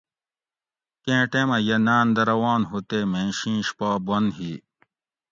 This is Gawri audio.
کیں ٹیمہ یہ ناۤن دہ روان ہو تے میں شیںش پا بن ہی